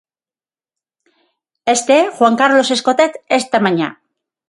Este é Juan Carlos Escotet esta mañá.